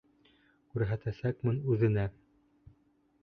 Күрһәтәсәкмен үҙенә.